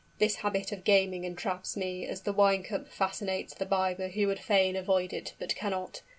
This habit of gaming entraps me as the wine cup fascinates the bibber who would fain avoid it, but cannot.